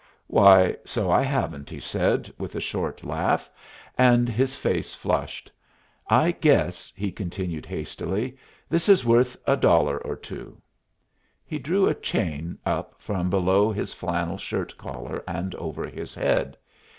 "Why, so I haven't," he said, with a short laugh, and his face flushed. "I guess," he continued, hastily, "this is worth a dollar or two." He drew a chain up from below his flannel shirt collar and over his head.